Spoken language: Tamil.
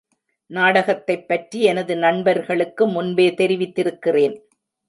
நாடகத்தைப் பற்றி எனது நண்பர்களுக்கு முன்பே தெரிவித்திருக்கிறேன்.